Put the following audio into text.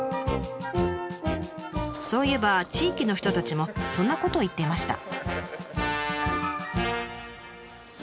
そういえば地域の人たちもこんなことを言っていました。